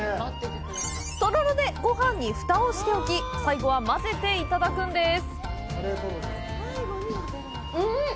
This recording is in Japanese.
とろろでごはんにふたをしておき、最後は混ぜていただくんです。